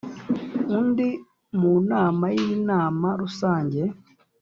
undi mu nama y Inama Rusange